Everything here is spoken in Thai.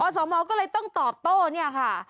สมก็เลยต้องตอบโต้เนี่ยค่ะ